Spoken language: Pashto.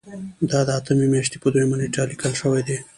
دا د اتمې میاشتې په دویمه نیټه لیکل شوی دی.